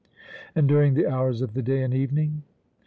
And during the hours of the day and evening?